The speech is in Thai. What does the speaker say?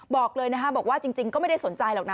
บอกเลยนะคะบอกว่าจริงก็ไม่ได้สนใจหรอกนะ